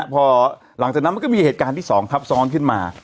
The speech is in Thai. พอหลังจากนั้นมันก็มีเหตุการณ์ที่๒ทับซ้อนขึ้นมา